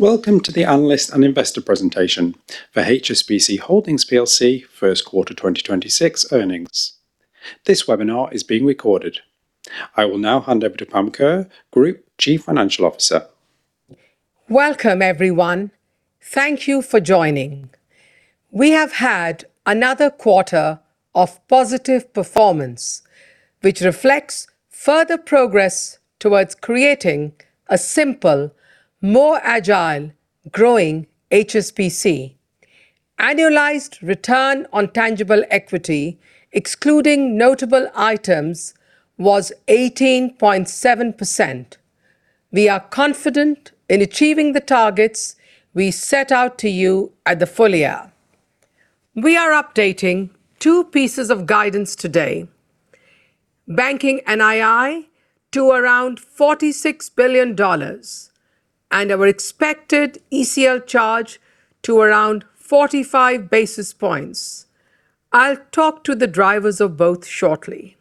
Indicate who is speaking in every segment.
Speaker 1: Welcome to the analyst and investor presentation for HSBC Holdings plc first quarter 2026 earnings. This webinar is being recorded. I will now hand over to Pam Kaur, Group Chief Financial Officer.
Speaker 2: Welcome, everyone. Thank you for joining. We have had another quarter of positive performance, which reflects further progress towards creating a simple, more agile growing HSBC. Annualized return on tangible equity, excluding notable items, was 18.7%. We are confident in achieving the targets we set out to you at the full year. We are updating two pieces of guidance today. Banking NII to around $46 billion and our expected ECL charge to around 45 basis points. I'll talk to the drivers of both shortly.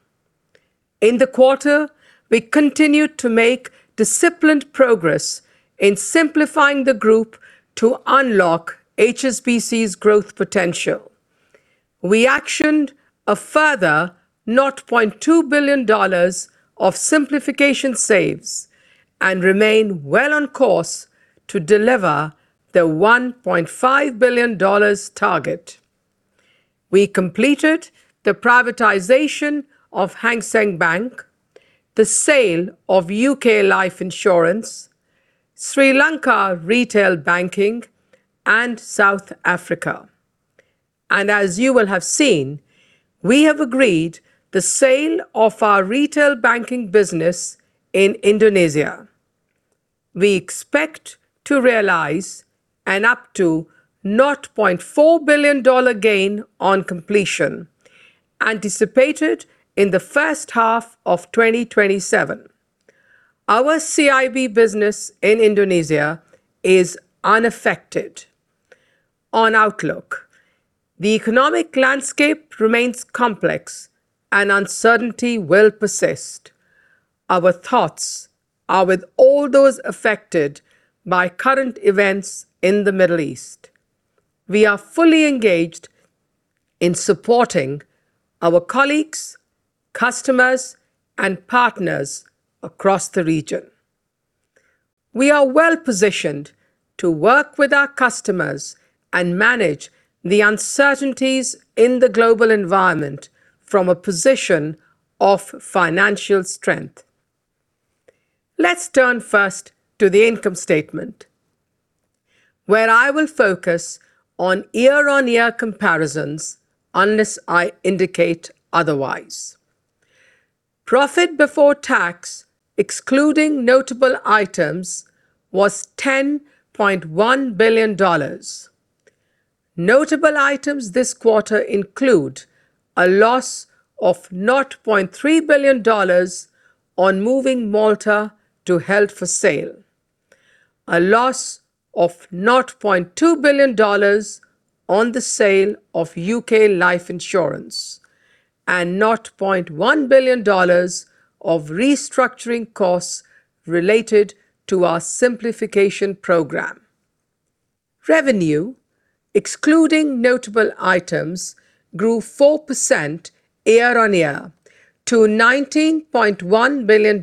Speaker 2: In the quarter, we continued to make disciplined progress in simplifying the group to unlock HSBC's growth potential. We actioned a further $0.2 billion of simplification saves and remain well on course to deliver the $1.5 billion target. We completed the privatization of Hang Seng Bank, the sale of UK Life Insurance, Sri Lanka Retail Banking and South Africa. As you will have seen, we have agreed the sale of our retail banking business in Indonesia. We expect to realize an up to $0.4 billion gain on completion, anticipated in the first half of 2027. Our CIB business in Indonesia is unaffected. On outlook, the economic landscape remains complex and uncertainty will persist. Our thoughts are with all those affected by current events in the Middle East. We are fully engaged in supporting our colleagues, customers, and partners across the region. We are well-positioned to work with our customers and manage the uncertainties in the global environment from a position of financial strength. Let's turn first to the income statement, where I will focus on year-on-year comparisons, unless I indicate otherwise. Profit before tax, excluding notable items, was $10.1 billion. Notable items this quarter include a loss of $0.3 billion on moving Malta to held for sale, a loss of $0.2 billion on the sale of UK Life Insurance, and $0.1 billion of restructuring costs related to our simplification program. Revenue, excluding notable items, grew 4% year-on-year to $19.1 billion.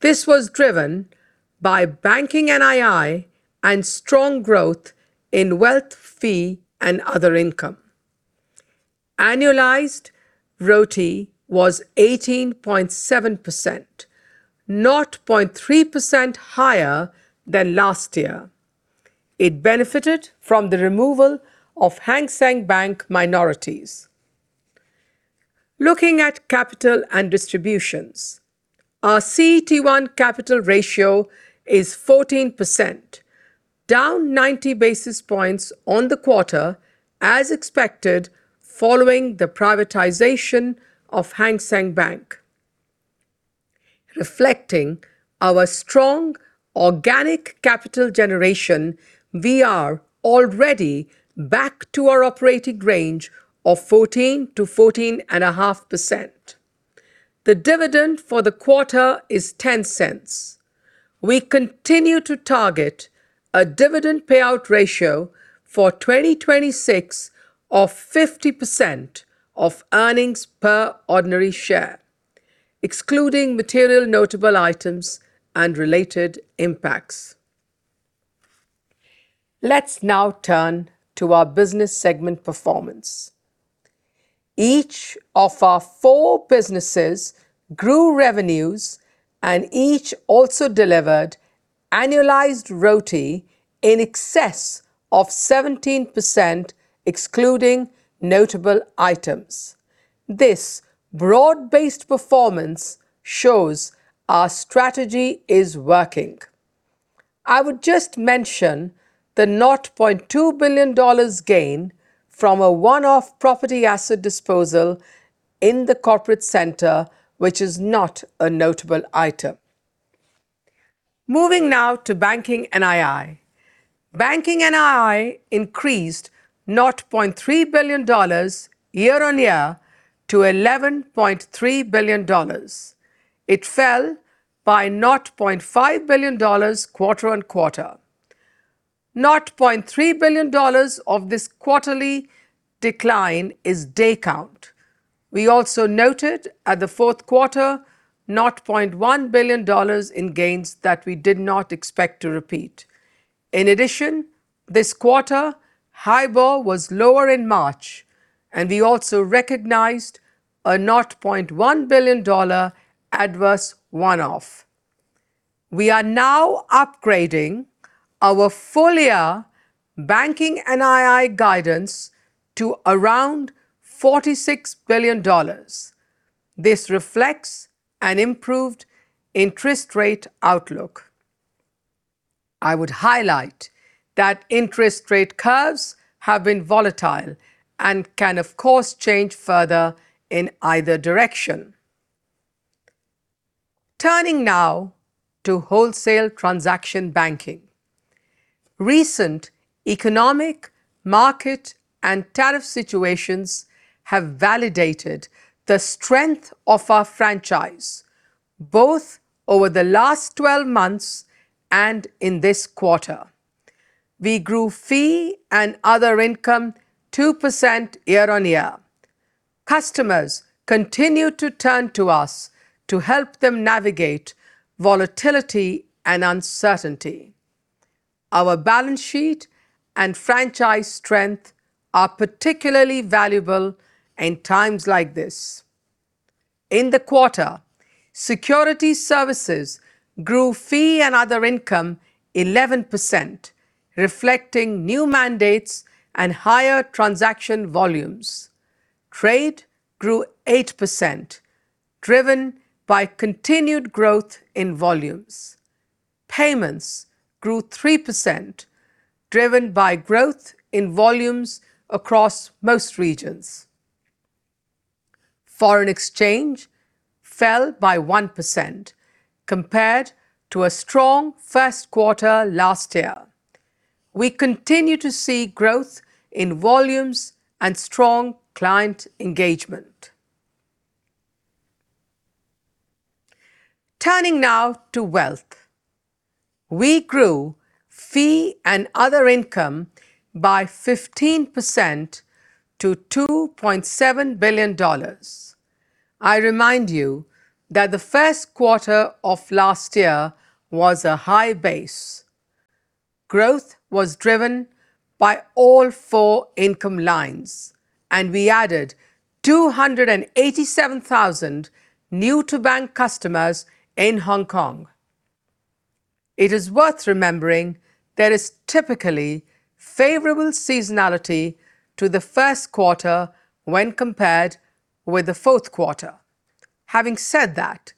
Speaker 2: This was driven by banking NII and strong growth in wealth fee and other income. Annualized RoTE was 18.7%, 0.3% higher than last year. It benefited from the removal of Hang Seng Bank minorities. Looking at capital and distributions, our CET1 capital ratio is 14%, down 90 basis points on the quarter as expected following the privatization of Hang Seng Bank. Reflecting our strong organic capital generation, we are already back to our operating range of 14%-14.5%. The dividend for the quarter is $0.10. We continue to target a dividend payout ratio for 2026 of 50% of earnings per ordinary share, excluding material notable items and related impacts. Let's now turn to our business segment performance. Each of our four businesses grew revenues, and each also delivered annualized RoTE in excess of 17%, excluding notable items. This broad-based performance shows our strategy is working. I would just mention the $0.2 billion gain from a one-off property asset disposal in the corporate center, which is not a notable item. Moving now to banking NII. Banking NII increased $0.3 billion year-on-year to $11.3 billion. It fell by $0.5 billion quarter-on-quarter. $0.3 billion of this quarterly decline is day count. We also noted at the fourth quarter $0.1 billion in gains that we did not expect to repeat. In addition, this quarter, HIBOR was lower in March, and we also recognized a $0.1 billion adverse one-off. We are now upgrading our full year banking NII guidance to around $46 billion. This reflects an improved interest rate outlook. I would highlight that interest rate curves have been volatile and can, of course, change further in either direction. Turning now to wholesale transaction banking. Recent economic, market, and tariff situations have validated the strength of our franchise, both over the last 12 months and in this quarter. We grew fee and other income 2% year-on-year. Customers continue to turn to us to help them navigate volatility and uncertainty. Our balance sheet and franchise strength are particularly valuable in times like this. In the quarter, securities services grew fee and other income 11%, reflecting new mandates and higher transaction volumes. Trade grew 8%, driven by continued growth in volumes. Payments grew 3%, driven by growth in volumes across most regions. Foreign exchange fell by 1% compared to a strong first quarter last year. We continue to see growth in volumes and strong client engagement. Turning now to wealth. We grew fee and other income by 15% to $2.7 billion. I remind you that the first quarter of last year was a high base. Growth was driven by all four income lines, and we added 287,000 new to bank customers in Hong Kong. It is worth remembering there is typically favorable seasonality to the first quarter when compared with the fourth quarter. Having said that,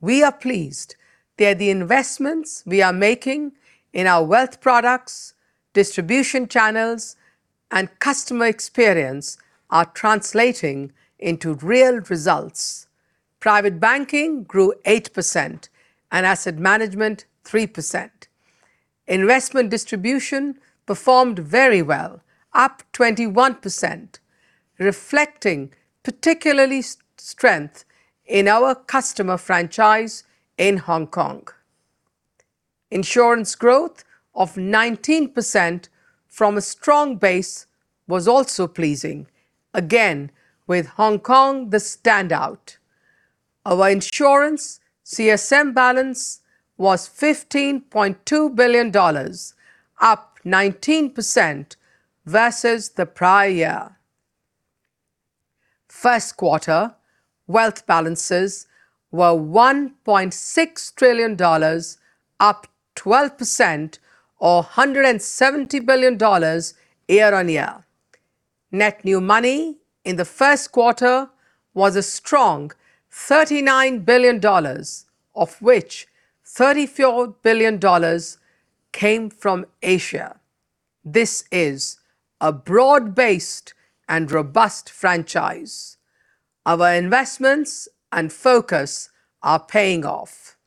Speaker 2: we are pleased that the investments we are making in our wealth products, distribution channels, and customer experience are translating into real results. Private banking grew 8% and asset management 3%. Investment distribution performed very well, up 21%, reflecting particularly strength in our customer franchise in Hong Kong. Insurance growth of 19% from a strong base was also pleasing. Again, with Hong Kong the standout. Our insurance CSM balance was $15.2 billion, up 19% versus the prior year. First quarter wealth balances were $1.6 trillion, up 12% or $170 billion year-on-year. Net new money in the first quarter was a strong $39 billion, of which $34 billion came from Asia. This is a broad-based and robust franchise. Our investments and focus are paying off.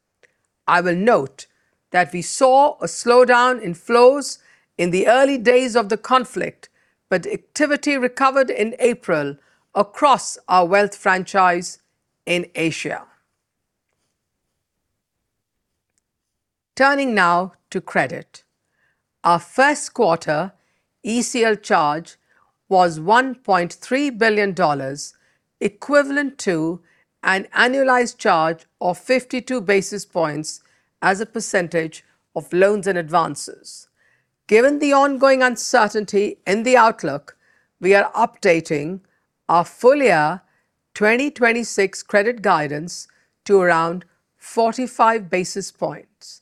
Speaker 2: I will note that we saw a slowdown in flows in the early days of the conflict, but activity recovered in April across our wealth franchise in Asia. Turning now to credit. Our first quarter ECL charge was $1.3 billion, equivalent to an annualized charge of 52 basis points as a percentage of loans and advances. Given the ongoing uncertainty in the outlook, we are updating our full year 2026 credit guidance to around 45 basis points.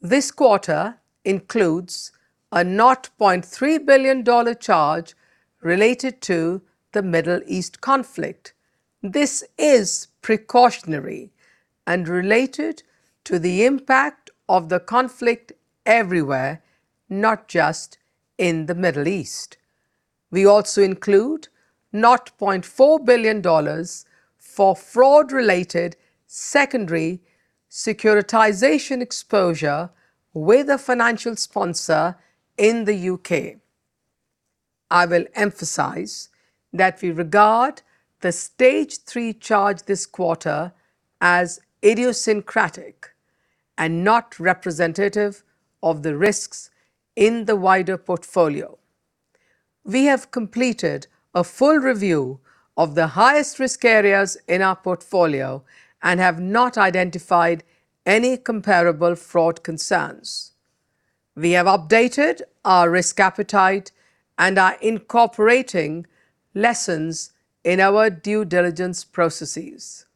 Speaker 2: This quarter includes a $0.3 billion charge related to the Middle East conflict. This is precautionary and related to the impact of the conflict everywhere, not just in the Middle East. We also include $0.4 billion for fraud related secondary securitization exposure with a financial sponsor in the U.K. I will emphasize that we regard the stage three charge this quarter as idiosyncratic and not representative of the risks in the wider portfolio. We have completed a full review of the highest risk areas in our portfolio and have not identified any comparable fraud concerns. We have updated our risk appetite and are incorporating lessons in our due diligence processes.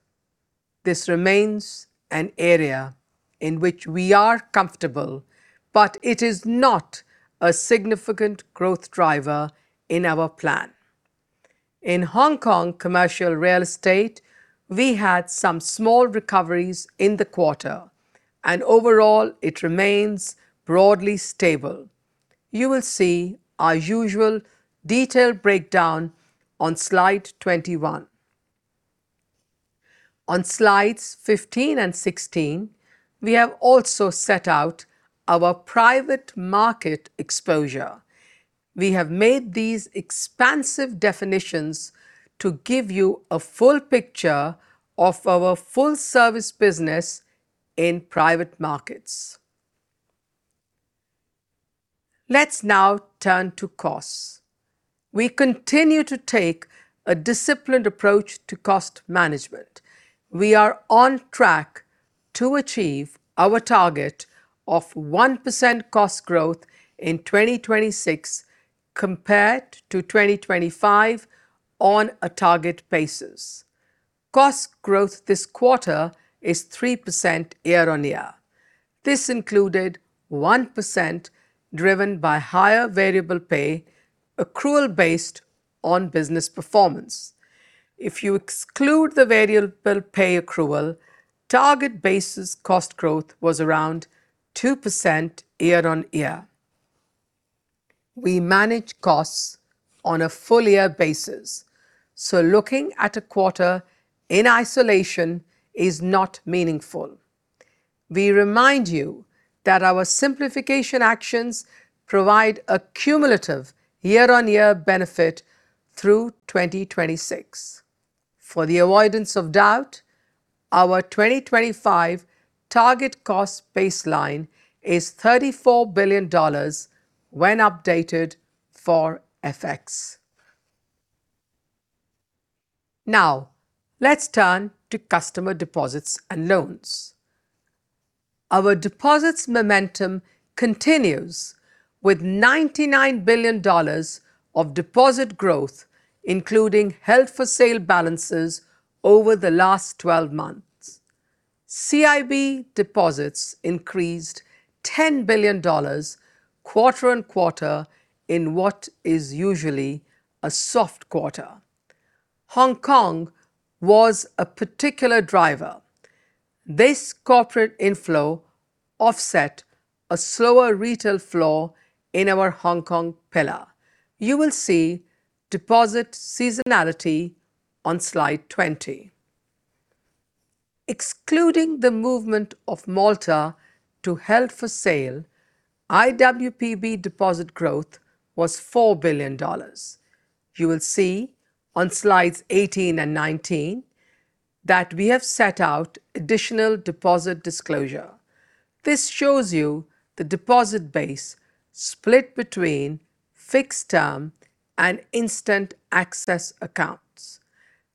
Speaker 2: This remains an area in which we are comfortable, but it is not a significant growth driver in our plan. In Hong Kong commercial real estate, we had some small recoveries in the quarter and overall it remains broadly stable. You will see our usual detailed breakdown on slide 21. On slides 15 and 16, we have also set out our private market exposure. We have made these expansive definitions to give you a full picture of our full service business in private markets. Let's now turn to costs. We continue to take a disciplined approach to cost management. We are on track to achieve our target of 1% cost growth in 2026 compared to 2025 on a target basis. Cost growth this quarter is 3% year-on-year. This included 1% driven by higher variable pay accrual based on business performance. If you exclude the variable pay accrual, target basis cost growth was around 2% year-on-year. We manage costs on a full year basis, so looking at a quarter in isolation is not meaningful. We remind you that our simplification actions provide a cumulative year-on-year benefit through 2026. For the avoidance of doubt, our 2025 target cost baseline is $34 billion when updated for FX. Let's turn to customer deposits and loans. Our deposits momentum continues with $99 billion of deposit growth, including held for sale balances over the last 12 months. CIB deposits increased $10 billion quarter-on-quarter in what is usually a soft quarter. Hong Kong was a particular driver. This corporate inflow offset a slower retail flow in our Hong Kong pillar. You will see deposit seasonality on slide 20. Excluding the movement of Malta to held for sale, IWPB deposit growth was $4 billion. You will see on slides 18 and 19 that we have set out additional deposit disclosure. This shows you the deposit base split between fixed term and instant access accounts.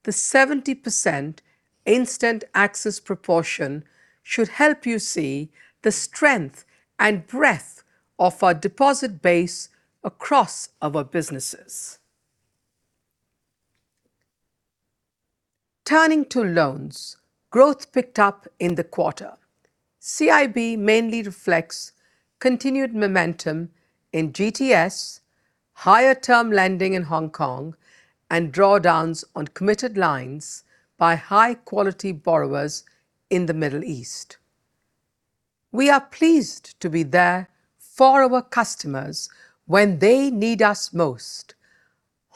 Speaker 2: The 70% instant access proportion should help you see the strength and breadth of our deposit base across our businesses. Turning to loans, growth picked up in the quarter. CIB mainly reflects continued momentum in GTS, higher term lending in Hong Kong, and drawdowns on committed lines by high quality borrowers in the Middle East. We are pleased to be there for our customers when they need us most.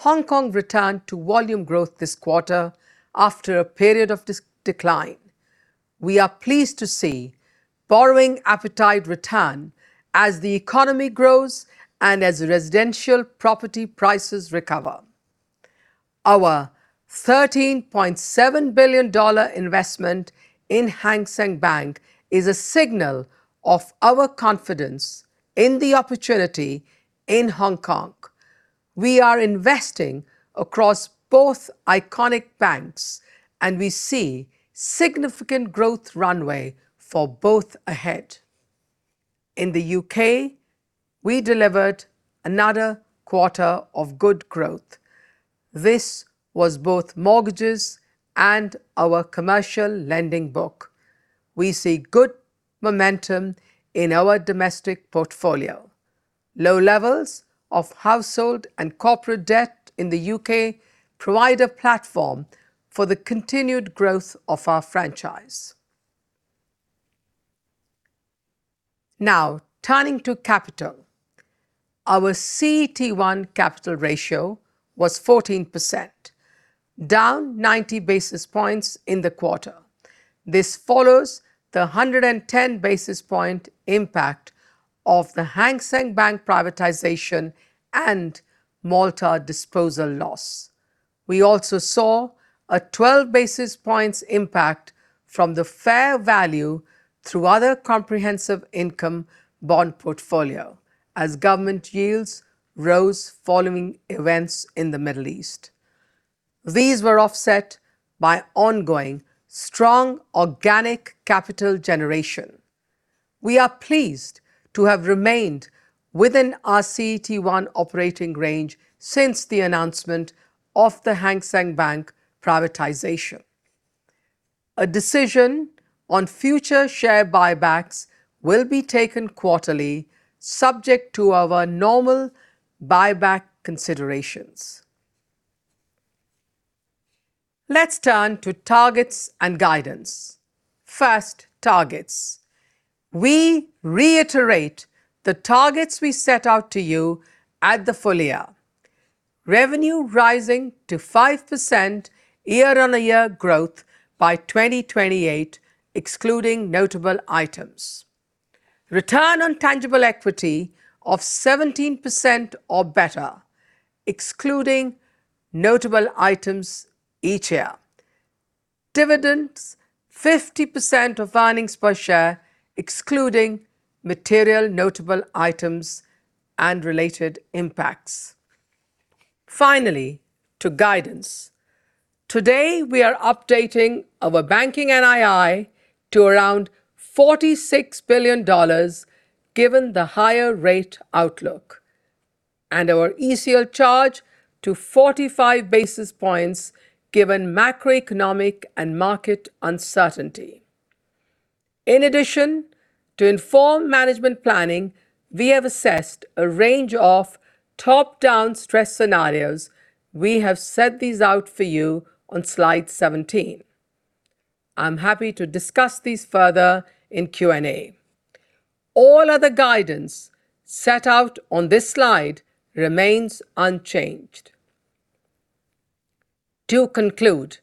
Speaker 2: Hong Kong returned to volume growth this quarter after a period of decline. We are pleased to see borrowing appetite return as the economy grows and as residential property prices recover. Our $13.7 billion investment in Hang Seng Bank is a signal of our confidence in the opportunity in Hong Kong. We are investing across both iconic banks and we see significant growth runway for both ahead. In the U.K., we delivered another quarter of good growth. This was both mortgages and our commercial lending book. We see good momentum in our domestic portfolio. Low levels of household and corporate debt in the U.K. provide a platform for the continued growth of our franchise. Now turning to capital. Our CET1 capital ratio was 14%, down 90 basis points in the quarter. This follows the 110 basis point impact of the Hang Seng Bank privatization and Malta disposal loss. We also saw a 12 basis points impact from the fair value through other comprehensive income bond portfolio as government yields rose following events in the Middle East. These were offset by ongoing strong organic capital generation. We are pleased to have remained within our CET1 operating range since the announcement of the Hang Seng Bank privatization. A decision on future share buybacks will be taken quarterly subject to our normal buyback considerations. Let's turn to targets and guidance. First, targets. We reiterate the targets we set out to you at the full year. Revenue rising to 5% year-over-year growth by 2028, excluding notable items. Return on tangible equity of 17% or better, excluding notable items each year. Dividends, 50% of earnings per share, excluding material notable items and related impacts. Finally, to guidance. Today, we are updating our banking NII to around $46 billion given the higher rate outlook and our ECL charge to 45 basis points given macroeconomic and market uncertainty. In addition to informed management planning, we have assessed a range of top-down stress scenarios. We have set these out for you on slide 17. I'm happy to discuss these further in Q&A. All other guidance set out on this slide remains unchanged. To conclude,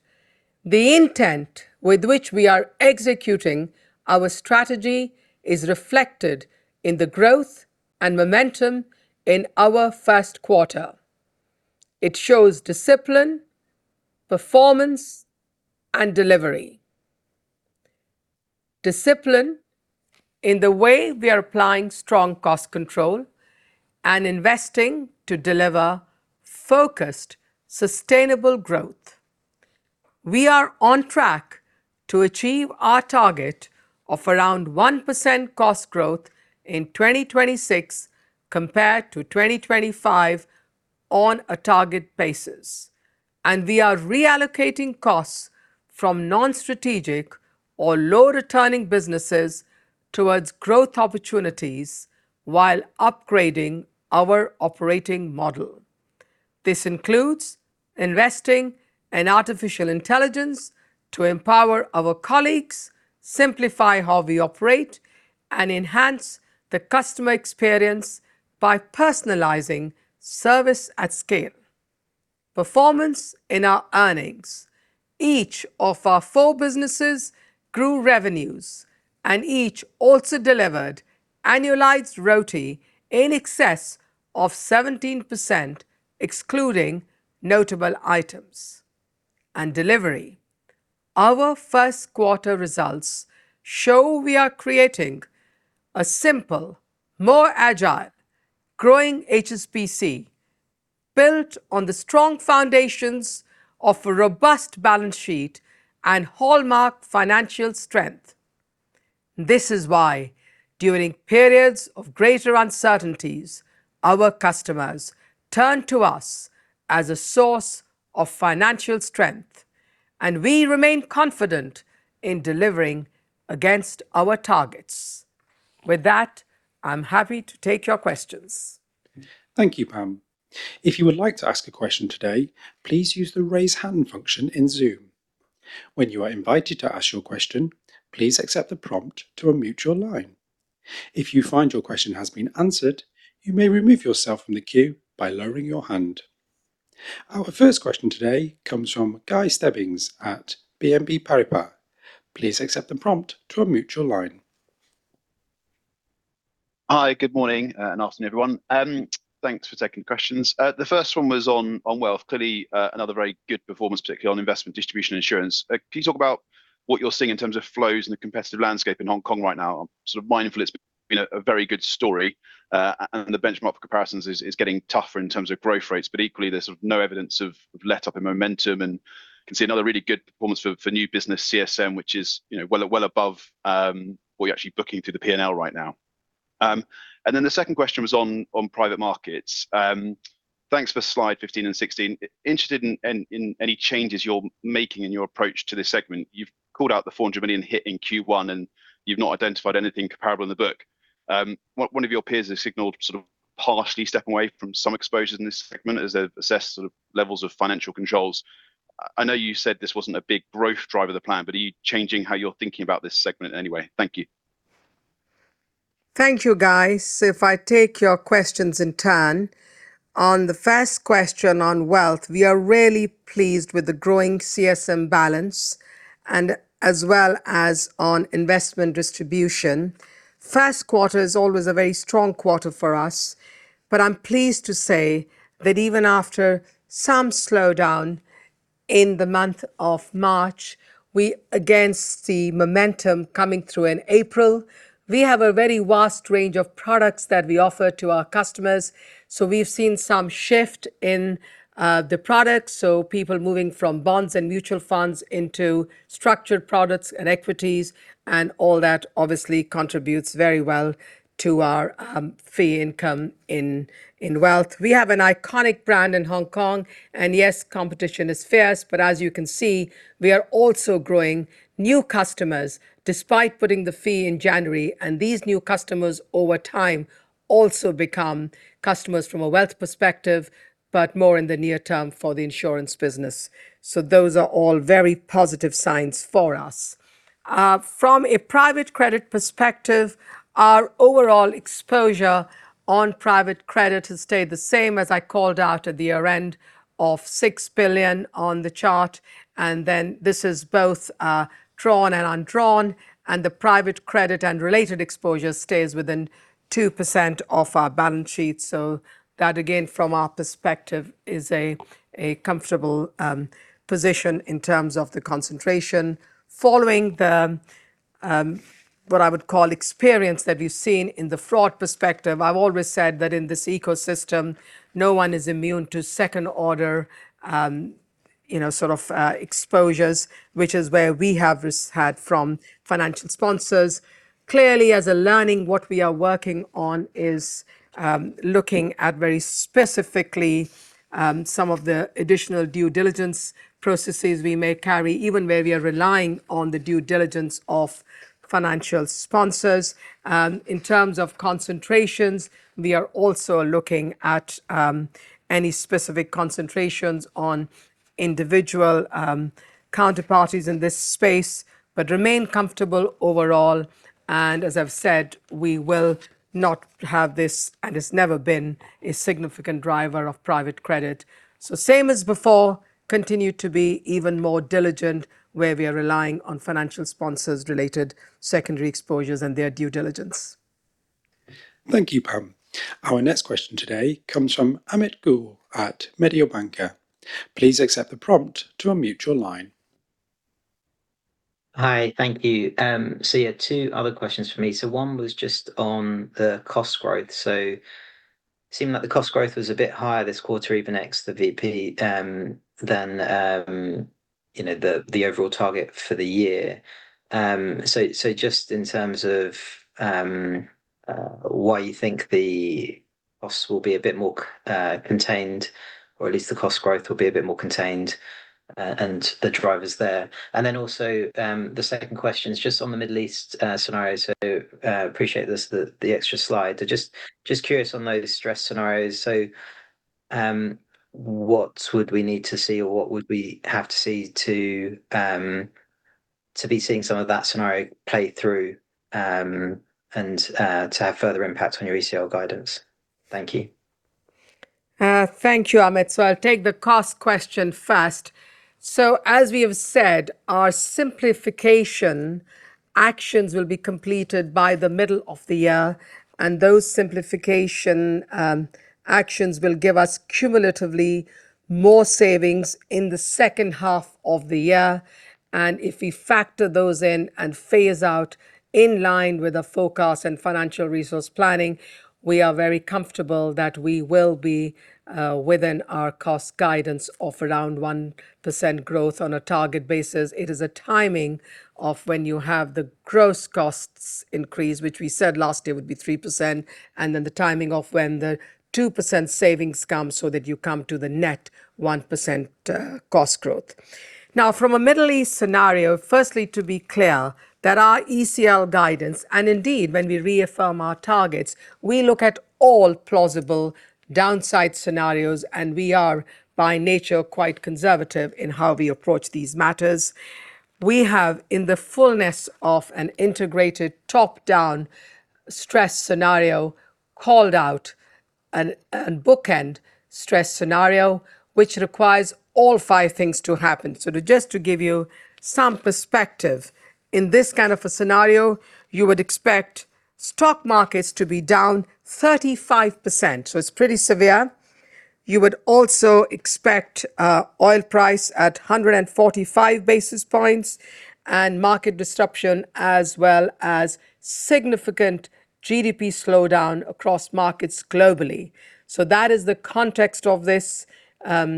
Speaker 2: the intent with which we are executing our strategy is reflected in the growth and momentum in our first quarter. It shows discipline, performance, and delivery. Discipline in the way we are applying strong cost control and investing to deliver focused, sustainable growth. We are on track to achieve our target of around 1% cost growth in 2026 compared to 2025 on a target basis. We are reallocating costs from non-strategic or low returning businesses towards growth opportunities while upgrading our operating model. This includes investing in artificial intelligence to empower our colleagues, simplify how we operate, and enhance the customer experience by personalizing service at scale. Performance in our earnings. Each of our four businesses grew revenues, and each also delivered annualized RoTE in excess of 17%, excluding notable items and delivery. Our first quarter results show we are creating a simple, more agile, growing HSBC built on the strong foundations of a robust balance sheet and hallmark financial strength. This is why during periods of greater uncertainties, our customers turn to us as a source of financial strength, and we remain confident in delivering against our targets. With that, I'm happy to take your questions.
Speaker 1: Thank you, Pam. If you would like to ask a question today, please use the Raise Hand function in Zoom. When you are invited to ask your question, please accept the prompt to unmute your line. If you find your question has been answered, you may remove yourself from the queue by lowering your hand. Our first question today comes from Guy Stebbings at BNP Paribas. Please accept the prompt to unmute your line.
Speaker 3: Hi, good morning and afternoon, everyone. Thanks for taking questions. The first one was on wealth. Clearly, another very good performance, particularly on investment distribution insurance. Can you talk about what you're seeing in terms of flows in the competitive landscape in Hong Kong right now? Sort of mindful it's been a, been a very good story, and the benchmark for comparisons is getting tougher in terms of growth rates, but equally, there's sort of no evidence of letup in momentum. Can see another really good performance for new business CSM, which is, you know, well, well above, what you're actually booking through the P&L right now. Then the second question was on private markets. Thanks for slide 15 and 16. Interested in any changes you're making in your approach to this segment. You've called out the $400 million hit in Q1, and you've not identified anything comparable in the book. One of your peers has signaled sort of partially step away from some exposure in this segment as they've assessed sort of levels of financial controls. I know you said this wasn't a big growth driver of the plan, but are you changing how you're thinking about this segment in any way? Thank you.
Speaker 2: Thank you, Guy. If I take your questions in turn, on the first question on wealth, we are really pleased with the growing CSM balance, and as well as on investment distribution. First quarter is always a very strong quarter for us. I'm pleased to say that even after some slowdown in the month of March, we again see momentum coming through in April. We have a very vast range of products that we offer to our customers, so we've seen some shift in the products, so people moving from bonds and mutual funds into structured products and equities, and all that obviously contributes very well to our fee income in wealth. We have an iconic brand in Hong Kong. Yes, competition is fierce, as you can see, we are also growing new customers despite putting the fee in January. These new customers over time also become customers from a wealth perspective, but more in the near term for the insurance business. Those are all very positive signs for us. From a private credit perspective, our overall exposure on private credit has stayed the same as I called out at the year-end of $6 billion on the chart. This is both drawn and undrawn. The private credit and related exposure stays within 2% of our balance sheet. That, again, from our perspective, is a comfortable position in terms of the concentration. Following the, what I would call experience that we've seen in the fraud perspective, I've always said that in this ecosystem, no one is immune to second order, you know, sort of, exposures, which is where we have risk hedged from financial sponsors. Clearly, as a learning, what we are working on is looking at very specifically some of the additional due diligence processes we may carry, even where we are relying on the due diligence of financial sponsors. In terms of concentrations, we are also looking at any specific concentrations on individual counterparties in this space, but remain comfortable overall. As I've said, we will not have this, and it's never been a significant driver of private credit. Same as before, continue to be even more diligent where we are relying on financial sponsors related secondary exposures and their due diligence.
Speaker 1: Thank you, Pam. Our next question today comes from Amit Goel at Mediobanca. Please accept the prompt to unmute your line.
Speaker 4: Hi. Thank you. Yeah, two other questions for me. One was just on the cost growth. Seemed like the cost growth was a bit higher this quarter, even ex the VP, than, you know, the overall target for the year. Just in terms of why you think the costs will be a bit more contained, or at least the cost growth will be a bit more contained, and the drivers there. The second question is just on the Middle East scenario. Appreciate this, the extra slide. Just curious on those stress scenarios. What would we need to see or what would we have to see to be seeing some of that scenario play through and to have further impact on your ECL guidance? Thank you.
Speaker 2: Thank you, Amit. I'll take the cost question first. As we have said, our simplification actions will be completed by the middle of the year, and those simplification actions will give us cumulatively more savings in the second half of the year. If we factor those in and phase out in line with the forecast and financial resource planning, we are very comfortable that we will be within our cost guidance of around 1% growth on a target basis. It is a timing of when you have the gross costs increase, which we said last year would be 3%, and then the timing of when the 2% savings come so that you come to the net 1% cost growth. From a Middle East scenario, firstly, to be clear that our ECL guidance, and indeed when we reaffirm our targets, we look at all plausible downside scenarios, and we are by nature quite conservative in how we approach these matters. We have, in the fullness of an integrated top-down stress scenario, called out a bookend stress scenario, which requires all five things to happen. To give you some perspective, in this kind of a scenario, you would expect stock markets to be down 35%, it's pretty severe. You would also expect oil price at 145 basis points and market disruption, as well as significant GDP slowdown across markets globally. That is the context of this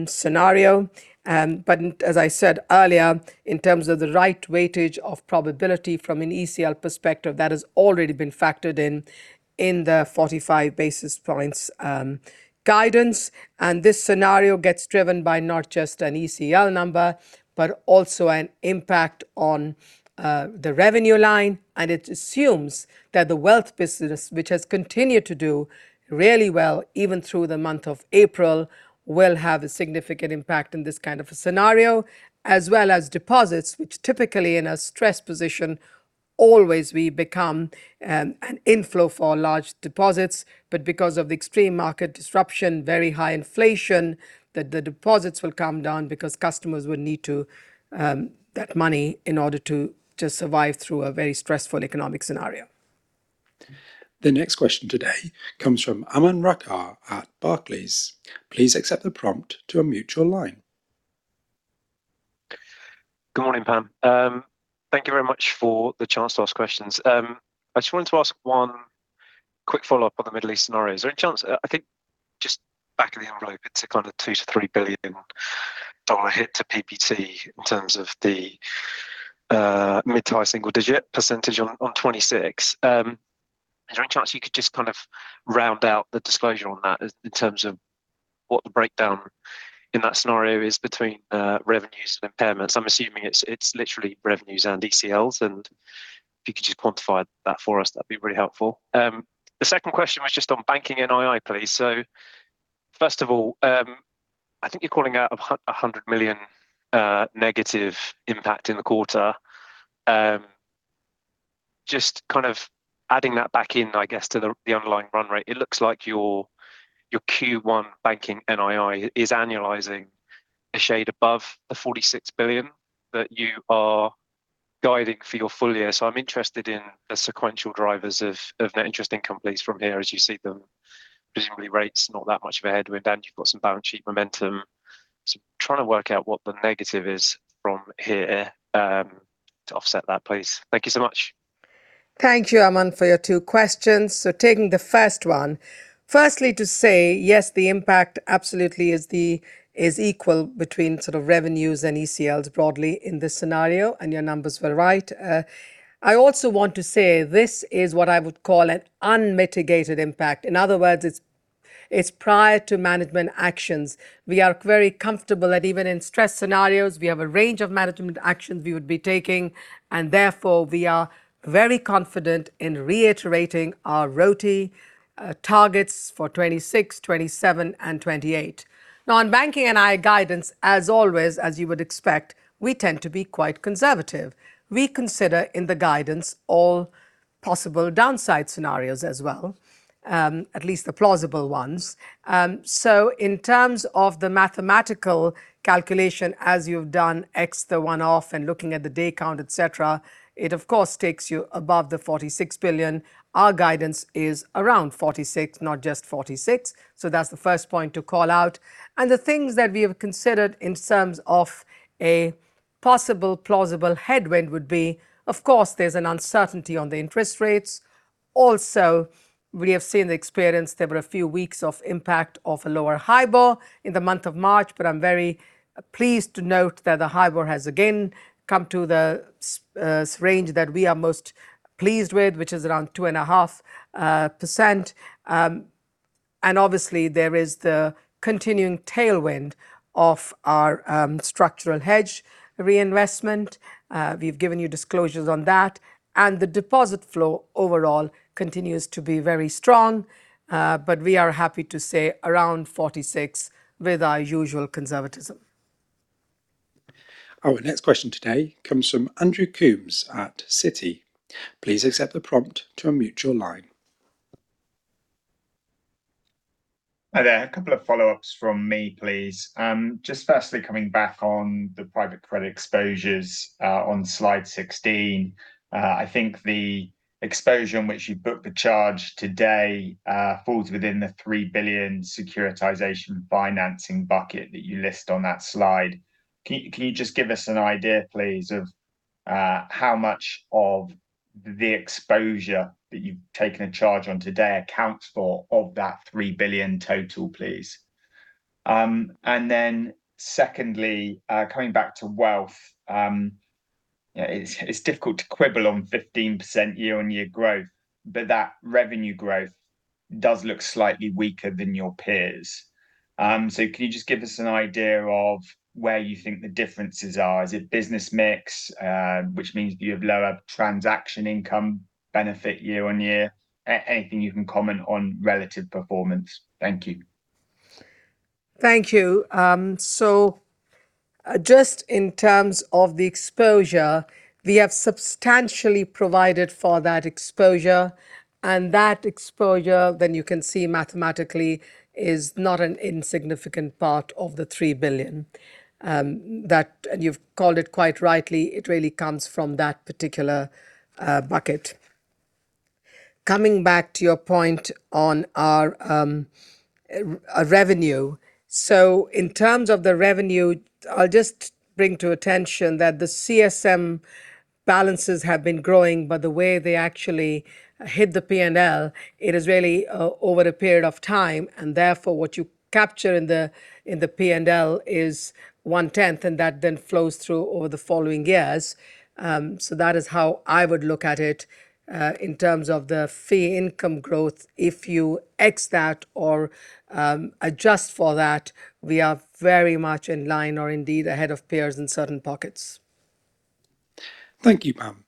Speaker 2: scenario. As I said earlier, in terms of the right weightage of probability from an ECL perspective, that has already been factored in in the 45 basis points guidance. This scenario gets driven by not just an ECL number, but also an impact on the revenue line. It assumes that the wealth business, which has continued to do really well, even through the month of April, will have a significant impact in this kind of a scenario, as well as deposits, which typically in a stressed position, always we become an inflow for large deposits, but because of the extreme market disruption, very high inflation, that the deposits will come down because customers will need to that money in order to survive through a very stressful economic scenario.
Speaker 1: The next question today comes from Aman Rakkar at Barclays. Please accept the prompt to unmute your line.
Speaker 5: Good morning, Pam. Thank you very much for the chance to ask questions. I just wanted to ask one quick follow-up on the Middle East scenario. Is there any chance, I think just back of the envelope, it's a kind of $2 billion-$3 billion hit to PBT in terms of the mid-tier single-digit percentage on 2026. Is there any chance you could just kind of round out the disclosure on that in terms of what the breakdown in that scenario is between revenues and impairments? I'm assuming it's literally revenues and ECLs. If you could just quantify that for us, that would be really helpful. The second question was just on banking NII, please. First of all, I think you're calling out a $100 million negative impact in the quarter. Just kind of adding that back in, I guess, to the underlying run rate, it looks like your Q1 banking NII is annualizing a shade above the $46 billion that you are guiding for your full year. I'm interested in the sequential drivers of net interest income please from here as you see them. Presumably rates not that much of a headwind, and you've got some balance sheet momentum. Trying to work out what the negative is from here to offset that, please. Thank you so much.
Speaker 2: Thank you, Aman, for your two questions. Taking the first one, firstly to say, yes, the impact absolutely is equal between sort of revenues and ECLs broadly in this scenario, and your numbers were right. I also want to say this is what I would call an unmitigated impact. In other words, it's prior to management actions. We are very comfortable that even in stress scenarios, we have a range of management actions we would be taking, and therefore we are very confident in reiterating our RoTE targets for 2026, 2027 and 2028. On banking NII guidance, as always, as you would expect, we tend to be quite conservative. We consider in the guidance all possible downside scenarios as well, at least the plausible ones. In terms of the mathematical calculation as you've done, X the one-off and looking at the day count, et cetera, it of course takes you above the $46 billion. Our guidance is around $46 billion, not just $46 billion, that's the first point to call out. The things that we have considered in terms of a possible plausible headwind would be, of course, there's an uncertainty on the interest rates. Also, we have seen the experience, there were a few weeks of impact of a lower HIBOR in the month of March, but I'm very pleased to note that the HIBOR has again come to the range that we are most pleased with, which is around 2.5%. Obviously there is the continuing tailwind of our structural hedge reinvestment. We've given you disclosures on that, and the deposit flow overall continues to be very strong. We are happy to say around $46 billion with our usual conservatism.
Speaker 1: Our next question today comes from Andrew Coombs at Citi.
Speaker 6: Hi there. A couple of follow-ups from me, please. Just firstly coming back on the private credit exposures on slide 16. I think the exposure in which you booked the charge today falls within the $3 billion securitization financing bucket that you list on that slide. Can you just give us an idea, please, of how much of the exposure that you've taken a charge on today accounts for of that $3 billion total, please? Secondly, coming back to wealth, you know, it's difficult to quibble on 15% year-on-year growth, but that revenue growth does look slightly weaker than your peers. Can you just give us an idea of where you think the differences are? Is it business mix? Which means do you have lower transaction income benefit year-on-year? Anything you can comment on relative performance. Thank you.
Speaker 2: Thank you. Just in terms of the exposure, we have substantially provided for that exposure, and that exposure then you can see mathematically is not an insignificant part of the $3 billion. That you've called it quite rightly, it really comes from that particular bucket. Coming back to your point on our revenue. In terms of the revenue, I'll just bring to attention that the CSM balances have been growing, but the way they actually hit the P&L, it is really over a period of time, and therefore what you capture in the P&L is 1/10, and that then flows through over the following years. That is how I would look at it in terms of the fee income growth. If you exclude that or adjust for that, we are very much in line or indeed ahead of peers in certain pockets.
Speaker 1: Thank you, Pam.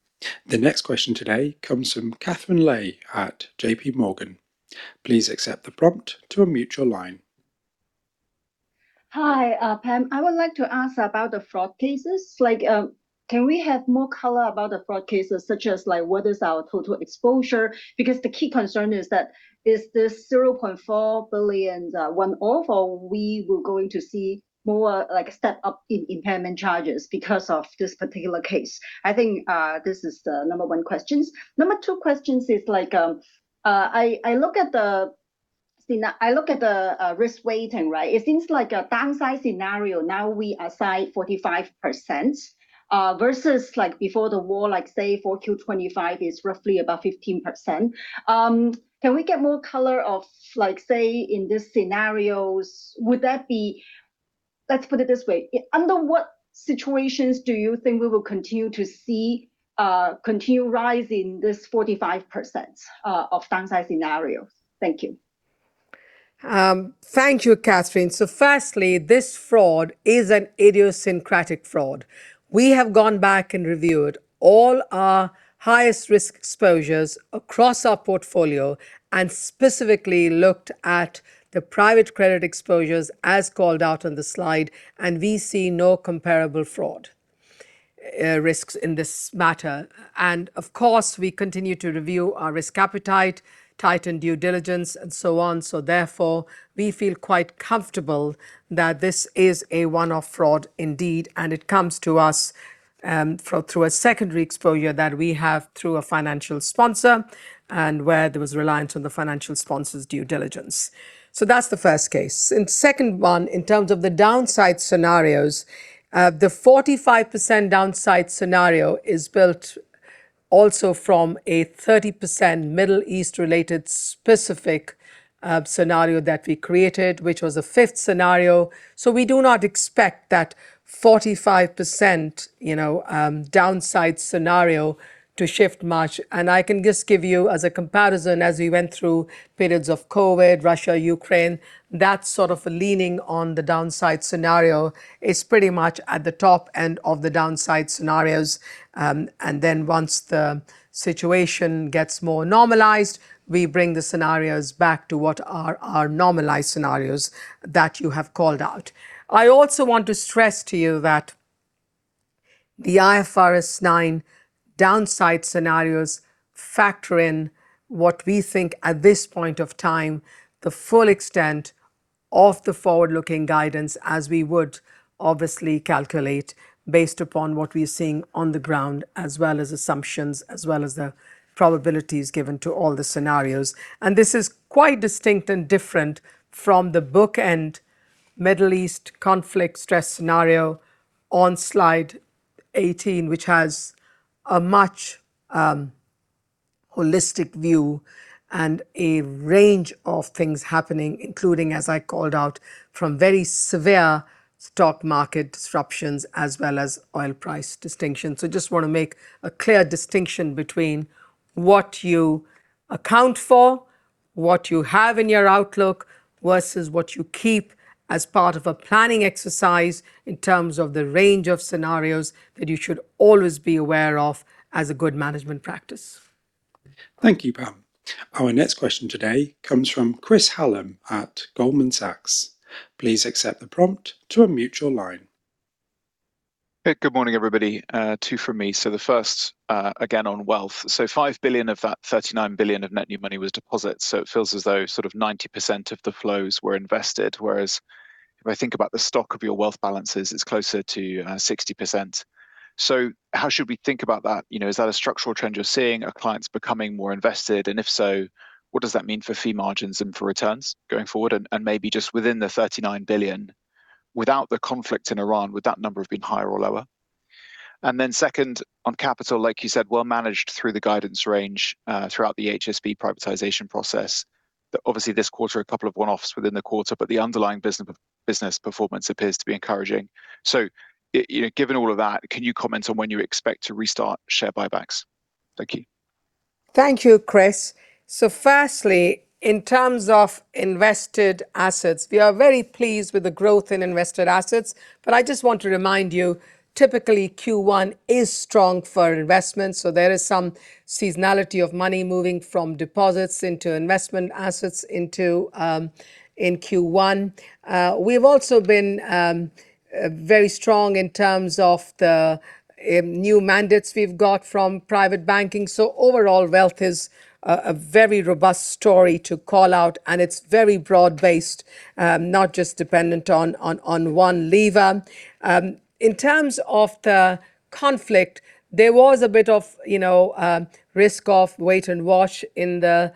Speaker 1: The next question today comes from Katherine Lei at JPMorgan. Please accept the prompt to unmute your line.
Speaker 7: Hi, Pam. I would like to ask about the fraud cases. Like, can we have more color about the fraud cases such as like what is our total exposure? Because the key concern is that is this $0.4 billion one-off, or we were going to see more like a step up in impairment charges because of this particular case? I think, this is the number one questions. Number two questions is like, I look at the, you know, I look at the risk weight and right? It seems like a downside scenario, now we aside 45%, versus like before the war, like say 4Q 2025 is roughly about 15%. Can we get more color of like, say, in these scenarios? Let's put it this way. Under what situations do you think we will continue to see, continue rise in this 45% of downside scenarios? Thank you.
Speaker 2: Thank you, Katherine. Firstly, this fraud is an idiosyncratic fraud. We have gone back and reviewed all our highest risk exposures across our portfolio and specifically looked at the private credit exposures as called out on the slide, and we see no comparable fraud risks in this matter. Of course, we continue to review our risk appetite, tightened due diligence and so on. Therefore, we feel quite comfortable that this is a one-off fraud indeed, and it comes to us through a secondary exposure that we have through a financial sponsor and where there was reliance on the financial sponsor's due diligence. That's the first case. Second one, in terms of the downside scenarios, the 45% downside scenario is built also from a 30% Middle East related specific scenario that we created, which was a fifth scenario. We do not expect that 45%, you know, downside scenario to shift much. I can just give you as a comparison as we went through periods of COVID, Russia, Ukraine, that sort of leaning on the downside scenario is pretty much at the top end of the downside scenarios. Once the situation gets more normalized, we bring the scenarios back to what are our normalized scenarios that you have called out. I also want to stress to you that the IFRS 9 downside scenarios factor in what we think at this point of time, the full extent of the forward-looking guidance as we would obviously calculate based upon what we're seeing on the ground, as well as assumptions, as well as the probabilities given to all the scenarios. This is quite distinct and different from the bookend Middle East conflict stress scenario on slide 18, which has a much holistic view and a range of things happening, including, as I called out, from very severe stock market disruptions as well as oil price distinctions. Just want to make a clear distinction between what you account for, what you have in your outlook, versus what you keep as part of a planning exercise in terms of the range of scenarios that you should always be aware of as a good management practice.
Speaker 1: Thank you, Pam. Our next question today comes from Chris Hallam at Goldman Sachs.
Speaker 8: Hey, good morning, everybody. Two from me. The first, again on wealth. $5 billion of that $39 billion of net new money was deposits, so it feels as though sort of 90% of the flows were invested, whereas if I think about the stock of your wealth balances, it's closer to 60%. How should we think about that? You know, is that a structural trend you're seeing? Are clients becoming more invested? If so, what does that mean for fee margins and for returns going forward? Maybe just within the $39 billion, without the conflict in Iran, would that number have been higher or lower? Second, on capital, like you said, well managed through the guidance range, throughout the HSB privatization process. Obviously this quarter, a couple of one-offs within the quarter, but the underlying business performance appears to be encouraging. You know, given all of that, can you comment on when you expect to restart share buybacks? Thank you.
Speaker 2: Thank you, Chris. Firstly, in terms of invested assets, we are very pleased with the growth in invested assets, but I just want to remind you, typically, Q1 is strong for investment, so there is some seasonality of money moving from deposits into investment assets in Q1. We've also been very strong in terms of the new mandates we've got from private banking. Overall wealth is a very robust story to call out, and it's very broad based, not just dependent on one lever. In terms of the conflict, there was a bit of, you know, risk off wait and watch in the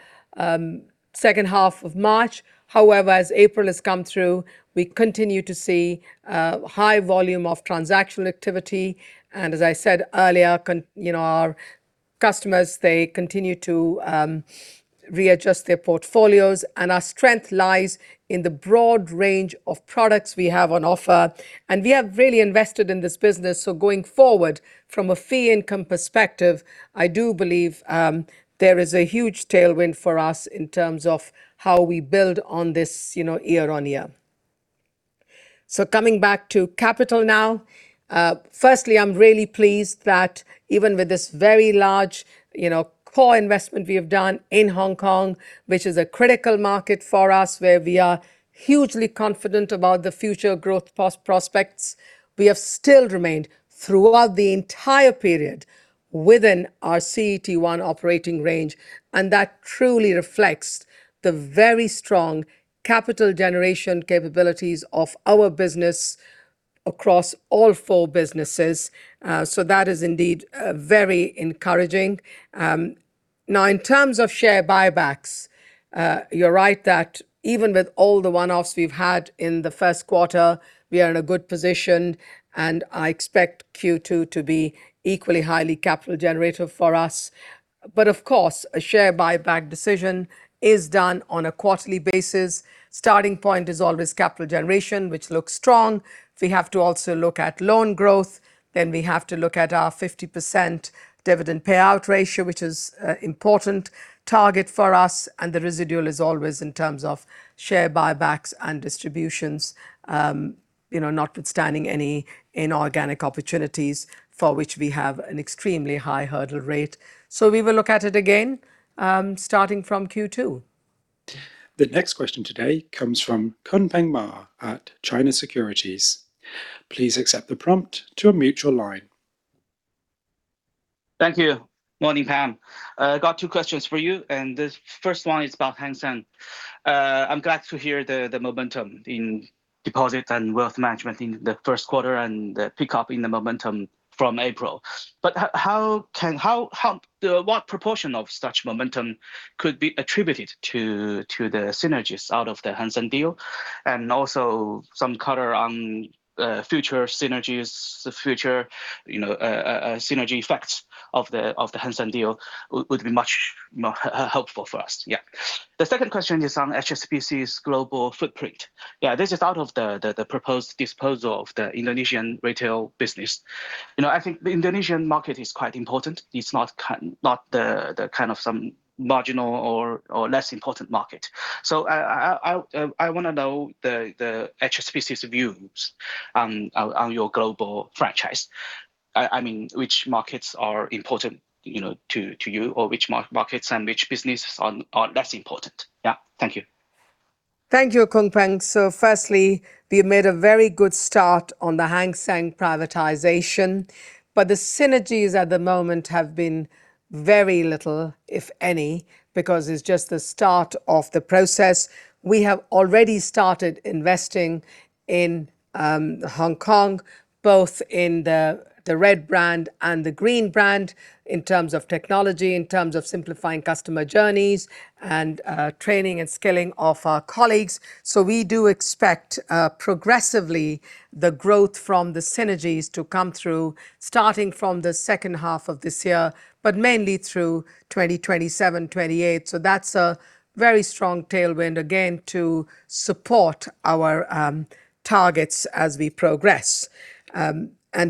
Speaker 2: second half of March. However, as April has come through, we continue to see high volume of transactional activity. As I said earlier, you know, our customers, they continue to readjust their portfolios. Our strength lies in the broad range of products we have on offer. We have really invested in this business, so going forward from a fee income perspective, I do believe there is a huge tailwind for us in terms of how we build on this, you know, year on year. Coming back to capital now. Firstly, I'm really pleased that even with this very large, you know, core investment we have done in Hong Kong, which is a critical market for us where we are hugely confident about the future growth prospects, we have still remained throughout the entire period within our CET1 operating range, and that truly reflects the very strong capital generation capabilities of our business across all four businesses. That is indeed very encouraging. Now in terms of share buybacks, you're right that even with all the one-offs we've had in the first quarter, we are in a good position, and I expect Q2 to be equally highly capital generative for us. Of course, a share buyback decision is done on a quarterly basis. Starting point is always capital generation, which looks strong. We have to also look at loan growth, then we have to look at our 50% dividend payout ratio, which is an important target for us, and the residual is always in terms of share buybacks and distributions, you know, notwithstanding any inorganic opportunities for which we have an extremely high hurdle rate. We will look at it again, starting from Q2.
Speaker 1: The next question today comes from Kunpeng Ma at China Securities.
Speaker 9: Thank you. Morning, Pam. I got two questions for you. This first one is about Hang Seng. I'm glad to hear the momentum in deposit and wealth management in the first quarter and the pickup in the momentum from April. What proportion of such momentum could be attributed to the synergies out of the Hang Seng deal? Also some color on future synergies, the future, you know, synergy effects of the Hang Seng deal would be much helpful for us. Yeah. The second question is on HSBC's global footprint. Yeah, this is out of the proposed disposal of the Indonesian retail business. You know, I think the Indonesian market is quite important. It's not not the kind of some marginal or less important market. I wanna know the HSBC's views on your global franchise. I mean, which markets are important, you know, to you, or which markets and which business are less important? Yeah. Thank you.
Speaker 2: Thank you, Kunpeng. Firstly, we have made a very good start on the Hang Seng privatization, but the synergies at the moment have been very little, if any, because it's just the start of the process. We have already started investing in Hong Kong, both in the Red brand and the Green brand in terms of technology, in terms of simplifying customer journeys and training and skilling of our colleagues. We do expect progressively the growth from the synergies to come through starting from the second half of this year, but mainly through 2027, 2028. That's a very strong tailwind again to support our targets as we progress.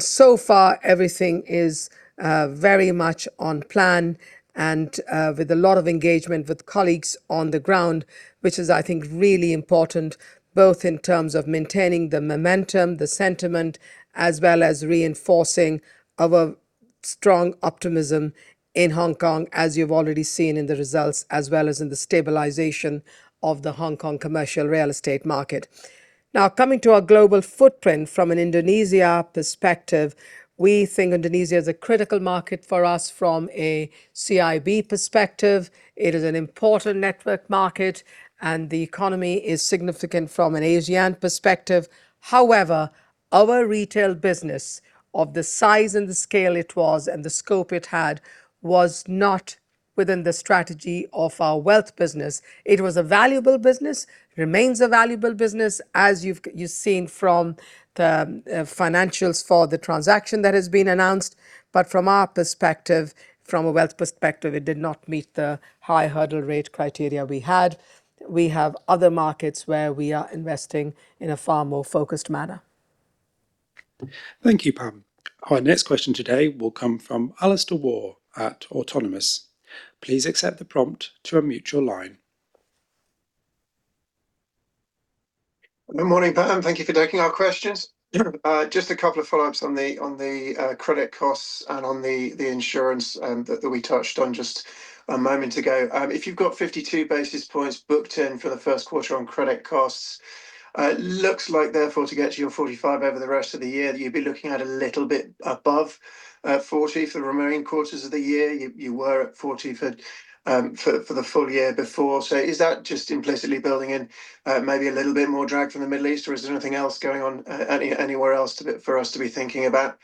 Speaker 2: So far everything is very much on plan and with a lot of engagement with colleagues on the ground, which is, I think, really important both in terms of maintaining the momentum, the sentiment, as well as reinforcing our strong optimism in Hong Kong as you've already seen in the results, as well as in the stabilization of the Hong Kong commercial real estate market. Now, coming to our global footprint from an Indonesia perspective, we think Indonesia is a critical market for us from a CIB perspective. It is an important network market, and the economy is significant from an Asian perspective. However, our retail business of the size and the scale it was and the scope it had was not within the strategy of our wealth business. It was a valuable business. Remains a valuable business, as you've seen from the financials for the transaction that has been announced. From our perspective, from a wealth perspective, it did not meet the high hurdle rate criteria we had. We have other markets where we are investing in a far more focused manner.
Speaker 1: Thank you, Pam. Our next question today will come from Alastair Warr at Autonomous.
Speaker 10: Good morning, Pam. Thank you for taking our questions.
Speaker 2: Sure.
Speaker 10: Just a couple of follow-ups on the credit costs and on the insurance that we touched on just a moment ago. If you've got 52 basis points booked in for the first quarter on credit costs, it looks like therefore to get to your 45 over the rest of the year, you'd be looking at a little bit above 40 for the remaining quarters of the year. You were at 40 for the full year before. Is that just implicitly building in maybe a little bit more drag from the Middle East, or is there anything else going on anywhere else for us to be thinking about?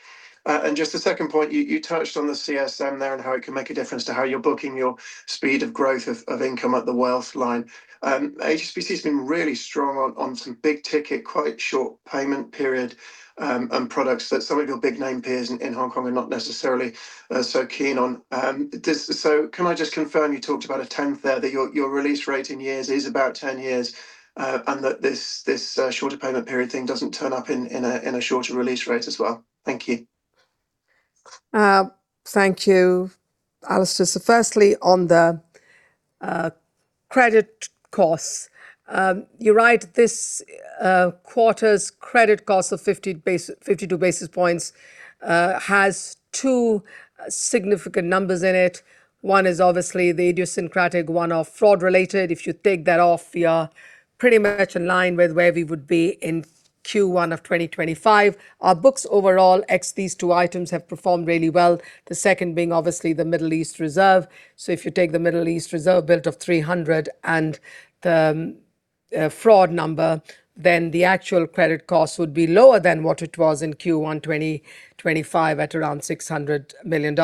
Speaker 10: Just a second point, you touched on the CSM there and how it can make a difference to how you're booking your speed of growth of income at the wealth line. HSBC has been really strong on some big ticket, quite short payment period, products that some of your big name peers in Hong Kong are not necessarily so keen on. Can I just confirm you talked about a 10th there, that your release rate in years is about 10 years, and that this, shorter payment period thing doesn't turn up in a, in a shorter release rate as well? Thank you.
Speaker 2: Thank you, Alastair. Firstly, on the credit costs. You're right, this quarter's credit cost of 52 basis points has two significant numbers in it. One is obviously the idiosyncratic one of fraud related. If you take that off, we are pretty much in line with where we would be in Q1 2025. Our books overall, ex these two items, have performed really well. The second being obviously the Middle East reserve. If you take the Middle East reserve build of 300 and the fraud number, then the actual credit cost would be lower than what it was in Q1 2025 at around $600 million.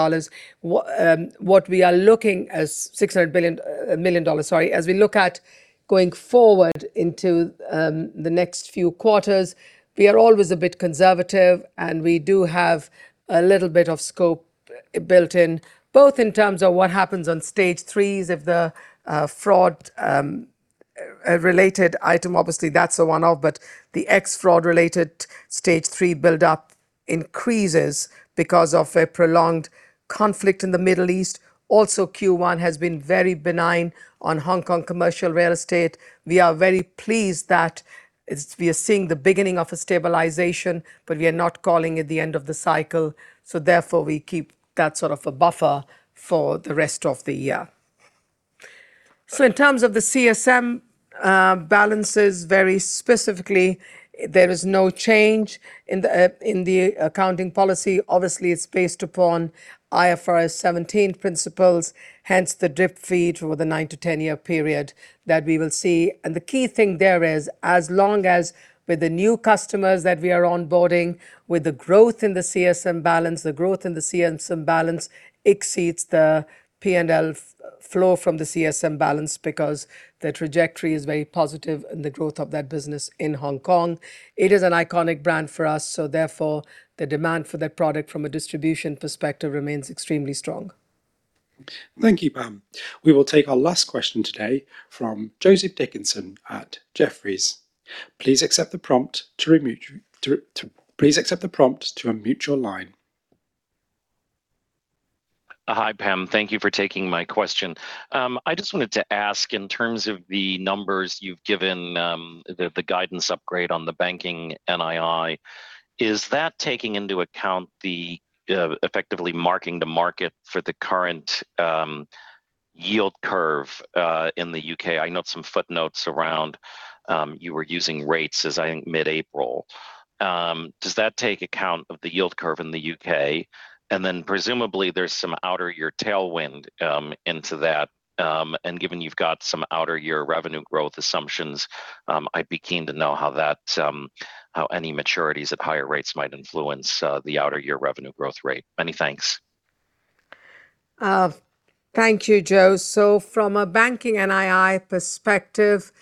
Speaker 2: What we are looking as $600 million, sorry. As we look at going forward into the next few quarters, we are always a bit conservative, and we do have a little bit of scope built in, both in terms of what happens on stage threes if the fraud related item, obviously that's a one-off. The ex fraud related stage three build up increases because of a prolonged conflict in the Middle East. Q1 has been very benign on Hong Kong commercial real estate. We are very pleased that we are seeing the beginning of a stabilization, we are not calling it the end of the cycle, therefore we keep that sort of a buffer for the rest of the year. In terms of the CSM balances, very specifically, there is no change in the accounting policy. Obviously, it's based upon IFRS 17 principles, hence the drip-feed over the 9-10 year period that we will see. The key thing there is, as long as with the new customers that we are onboarding, with the growth in the CSM balance, the growth in the CSM balance exceeds the P&L flow from the CSM balance because the trajectory is very positive in the growth of that business in Hong Kong. It is an iconic brand for us, so therefore the demand for that product from a distribution perspective remains extremely strong.
Speaker 1: Thank you, Pam. We will take our last question today from Joseph Dickerson at Jefferies. Please accept the prompt to unmute your line.
Speaker 11: Hi, Pam. Thank you for taking my question. I just wanted to ask, in terms of the numbers you've given, the guidance upgrade on the banking NII, is that taking into account the effectively marking the market for the current yield curve in the U.K.? I note some footnotes around you were using rates as, I think, mid-April. Does that take account of the yield curve in the U.K.? Presumably there's some outer year tailwind into that. Given you've got some outer year revenue growth assumptions, I'd be keen to know how that, how any maturities at higher rates might influence the outer year revenue growth rate. Many thanks.
Speaker 2: Thank you, Joe. From a banking NII perspective,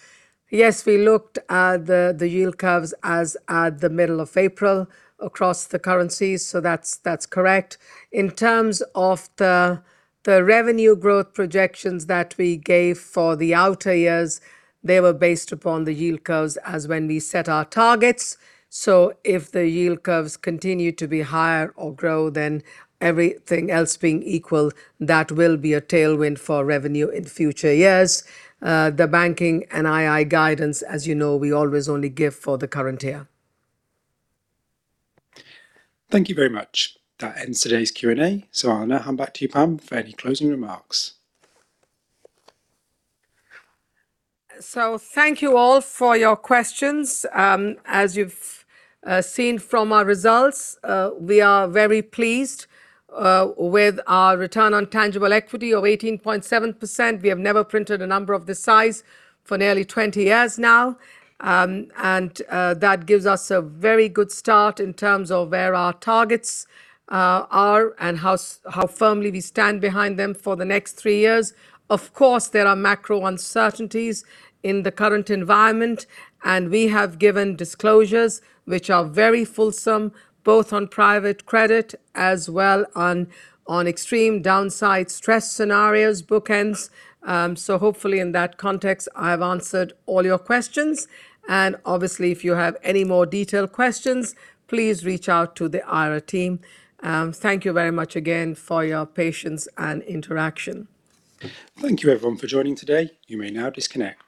Speaker 2: yes, we looked at the yield curves as at the middle of April across the currencies. That's correct. In terms of the revenue growth projections that we gave for the outer years, they were based upon the yield curves as when we set our targets. If the yield curves continue to be higher or grow, then everything else being equal, that will be a tailwind for revenue in future years. The banking NII guidance, as you know, we always only give for the current year.
Speaker 1: Thank you very much. That ends today's Q&A. I'll now hand back to you, Pam, for any closing remarks.
Speaker 2: Thank you all for your questions. As you've seen from our results, we are very pleased with our return on tangible equity of 18.7%. We have never printed a number of this size for nearly 20 years now. That gives us a very good start in terms of where our targets are and how firmly we stand behind them for the next three years. Of course, there are macro uncertainties in the current environment, and we have given disclosures which are very fulsome, both on private credit as well on extreme downside stress scenarios bookends. Hopefully in that context, I've answered all your questions. Obviously, if you have any more detailed questions, please reach out to the IR team. Thank you very much again for your patience and interaction.
Speaker 1: Thank you everyone for joining today. You may now disconnect.